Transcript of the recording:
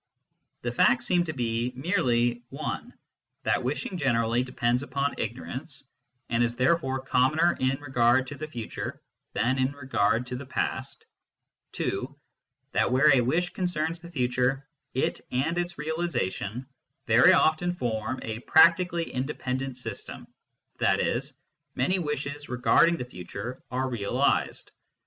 The facts seem to be merely (i) that wishing generallv ON THE NOTION OF CAUSE 203 depends upon ignorance, and is therefore commoner in regard to the future than in regard to the past ; (2) that where a wish concerns the future, it and its realisation very often form a " practically independent system," i.e. many wishes regarding the future are realised.